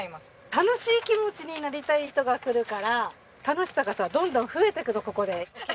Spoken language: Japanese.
楽しい気持ちになりたい人が来るから楽しさがさどんどん増えてくのここで。